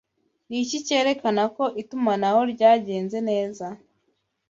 Ni iki cyerekana ko itumanaho ryagenze neza